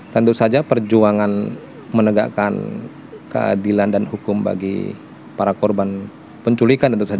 tentu saja perjuangan menegakkan keadilan dan hukum bagi para korban penculikan tentu saja